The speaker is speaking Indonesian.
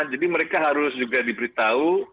jadi mereka harus juga diberitahu